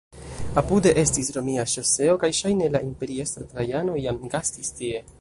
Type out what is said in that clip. Apude estis romia ŝoseo kaj ŝajne la imperiestro Trajano iam gastis tie.